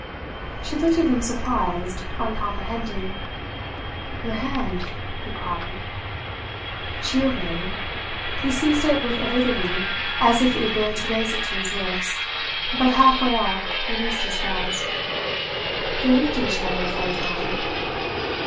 She looked at him surprised, uncomprehending. "Your hand," he cried. She obeyed; he seized it with avidity as if eager to raise it to his lips, but halfway up released his grasp. They looked at each other for a time.